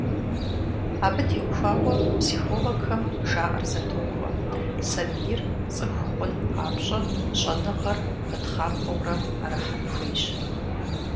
Абы теухуауэ психологхэм жаӀэр зэтохуэ: сабийр цӀыху хъун папщӀэ щӀэныгъэр пытхъахуэурэ Ӏэрыхьэн хуейщ.